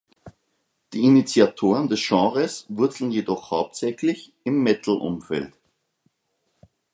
Die Initiatoren des Genres wurzeln jedoch hauptsächlich im Metal-Umfeld.